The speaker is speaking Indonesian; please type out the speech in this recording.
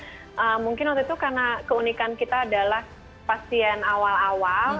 masa masa general juga tapi mungkin waktu itu karena keunikan kita adalah pasien awal awal